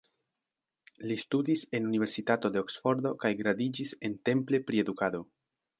Li studis en Universitato de Oksfordo kaj gradiĝis en Temple pri edukado.